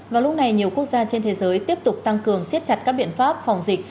vào lúc này nhiều quốc gia trên thế giới tiếp tục tăng cường siết chặt các biện pháp phòng dịch